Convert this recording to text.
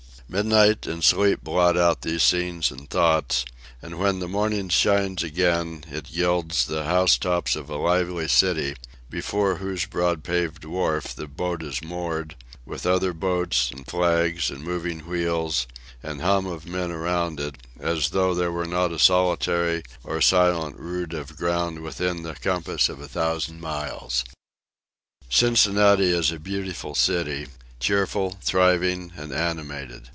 Midnight and sleep blot out these scenes and thoughts: and when the morning shines again, it gilds the house tops of a lively city, before whose broad paved wharf the boat is moored; with other boats, and flags, and moving wheels, and hum of men around it; as though there were not a solitary or silent rood of ground within the compass of a thousand miles. Cincinnati is a beautiful city; cheerful, thriving, and animated.